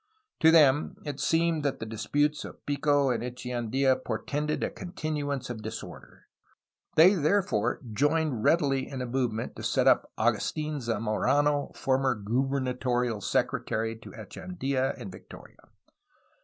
To them it seemed that the disputes of Pico and Eche andfa portended a continuance of disorder. They there fore joined readily in a movement to set up Agustln Za morano, former gubernatorial secretary to Echeandia and Victoria.